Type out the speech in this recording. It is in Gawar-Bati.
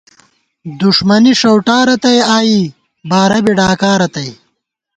دُݭمَنی ݭَؤٹا رتئ آئی، بارہ بی ڈاکا رتئ